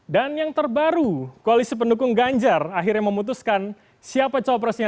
dan yang terbaru koalisi pendukung ganjar akhirnya memutuskan siapa copresnya